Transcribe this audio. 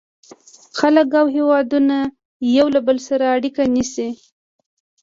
• خلک او هېوادونه یو له بل سره اړیکه نیسي.